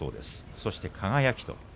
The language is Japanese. そして輝。